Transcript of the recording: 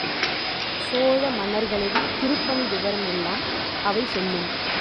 சோழ மன்னர்களது திருப்பணி விவரம் எல்லாம் அவை சொல்லும்.